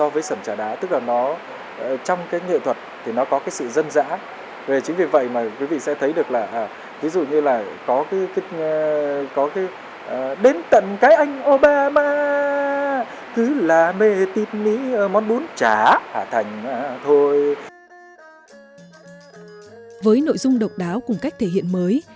với nội dung độc đáo cùng cách thể hiện mới